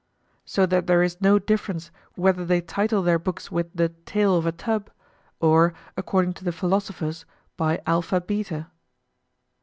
So that there is no difference whether they title their books with the "Tale of a Tub," or, according to the philosophers, by alpha, beta.